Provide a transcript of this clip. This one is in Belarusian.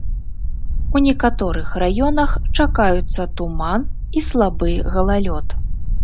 У некаторых раёнах чакаюцца туман і слабы галалёд.